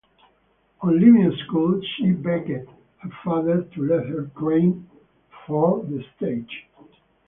On leaving school she begged her father to let her train for the stage.